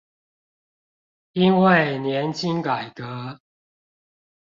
因為年金改革